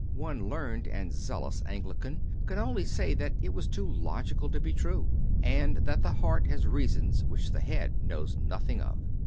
One learned and zealous Anglican could only say that it was too logical to be true, and that the heart has reasons which the head knows nothing of.